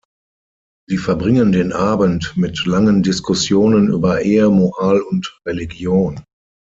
Sie verbringen den Abend mit langen Diskussionen über Ehe, Moral und Religion.